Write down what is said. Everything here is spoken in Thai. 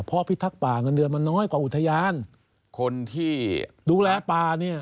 เพราะพิทักษ์ป่าเงินเดือนมันน้อยกว่าอุทยาน